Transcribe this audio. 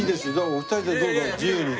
お二人でどうぞ自由に。